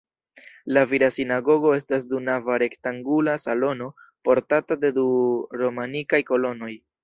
La vira sinagogo estas du-nava rektangula salono portata de du romanikaj kolonoj.